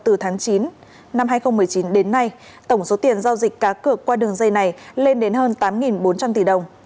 từ tháng chín năm hai nghìn một mươi chín đến nay tổng số tiền giao dịch cá cược qua đường dây này lên đến hơn tám bốn trăm linh tỷ đồng